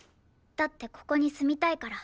だってここに住みたいから。